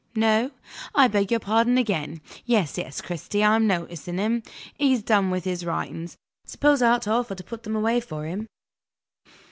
No? I beg your pardon again. Yes, yes, Cristy, I'm noticing him; he's done with his writings. Suppose I offer to put them away for him?